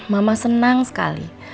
mama senang sekali